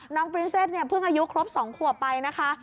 น้องพริ้นเซสเนี่ยพึ่งอายุครบ๒ขวบไปนะคะ